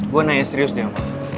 gue nanya serius deh om